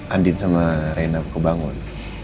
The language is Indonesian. andin sama rena kebangun